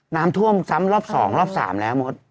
น้ำท่วมซ้ำรอบ๒รอบ๓แล้วมด